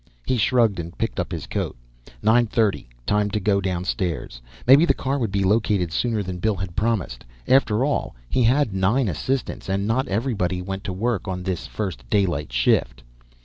He shrugged and picked up his coat. Nine thirty, time to go downstairs. Maybe the car would be located sooner than Bill had promised; after all, he had nine assistants, and not everybody went to work on this first daylight shift.